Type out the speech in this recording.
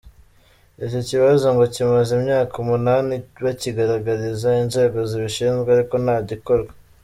Iki kibazo ngo kimaze imyaka umunani bakigaragariza inzego zibishinzwe ariko nta kirakorwa.